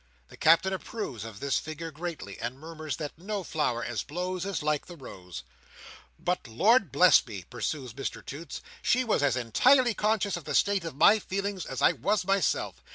The Captain approves of this figure greatly; and murmurs that no flower as blows, is like the rose. "But Lord bless me," pursues Mr Toots, "she was as entirely conscious of the state of my feelings as I was myself.